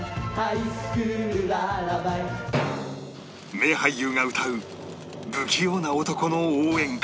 名俳優が歌う不器用な男の応援歌